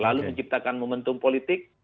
selalu menciptakan momentum politik